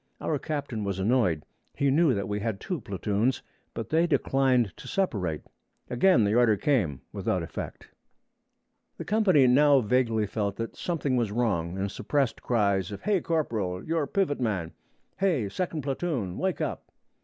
Our captain was annoyed; he knew that he had two platoons, but they declined to separate. Again the order came, without effect. The company now vaguely felt that something was wrong, and suppressed cries of 'Hay, corporal! you're pivot man!' 'Hay, second platoon! wake up!'